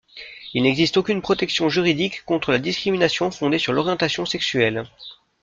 Il n'existe aucune protection juridique contre la discrimination fondée sur l'orientation sexuelle.